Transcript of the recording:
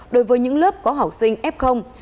đối với những lớp có học sinh f